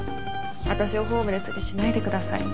私をホームレスにしないでください。